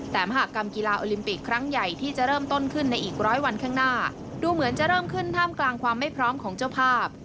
แต่มหากรรมกีฬาโอลิมปิกครั้งใหญ่ที่จะเริ่มต้นขึ้นในอีกร้อยวันข้างหน้าดูเหมือนจะเริ่มขึ้นท่ามกลางความไม่พร้อมของเจ้าภาพ